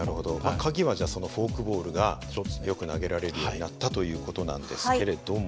鍵はじゃあフォークボールがよく投げられるようになったという事なんですけれども。